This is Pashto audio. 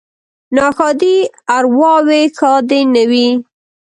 ـ ناښادې ارواوې ښادې نه وي.